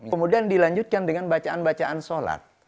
kemudian dilanjutkan dengan bacaan bacaan sholat